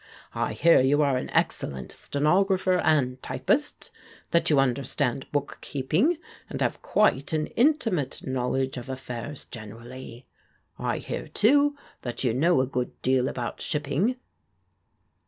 I hear you are an excellent stenographer and typist, that you understand bookkeep ing, and have quite an intimate knowledge of affairs gen erally. I hear, too, that you know a good deal about shipping."